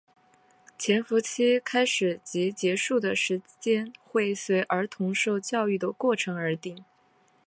潜伏期开始及结束的时间会随儿童受养育的过程而定。